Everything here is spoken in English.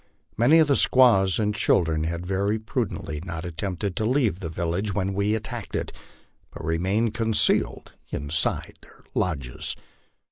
Many of the squaws and children had very prudently not attempted to leave the village when wo attacked it, but remained concealed inside their lodges.